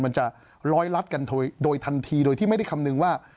มันจะร้อยลัดกันโดยทันทีโดยที่ไม่ได้คำนึงว่า